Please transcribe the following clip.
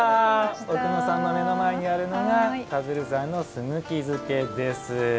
奥野さんの目の前にあるのが田鶴さんのすぐき漬けです。